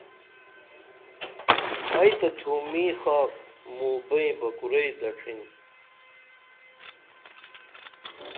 ائی تہ تُھومیں خاک موں بئیں بہ کُرئی دڇھین